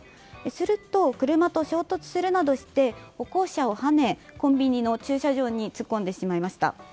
すると、車と衝突するなどして歩行者をはねコンビニの駐車場に突っ込んでしまいました。